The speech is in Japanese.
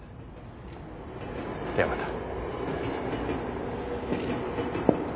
ではまた。